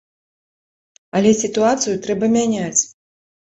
Але сітуацыю трэба мяняць.